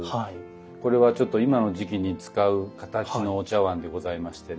これはちょっと今の時期に使う形のお茶碗でございましてね。